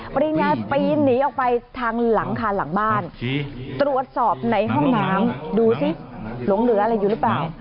ปริญญาปีนหนีออกไปทางหลังคาหลังบ้านตรวจสอบในห้องน้ำดูสิหลงเหลืออะไรอยู่หรือเปล่า